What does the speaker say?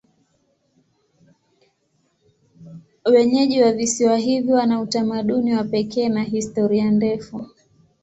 Wenyeji wa visiwa hivi wana utamaduni wa pekee na historia ndefu.